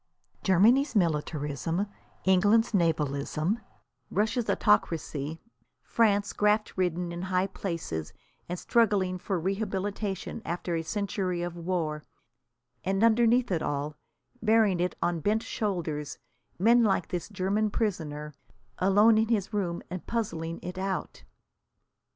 Germany's militarism, England's navalism, Russia's autocracy, France, graft ridden in high places and struggling for rehabilitation after a century of war and, underneath it all, bearing it on bent shoulders, men like this German prisoner, alone in his room and puzzling it out!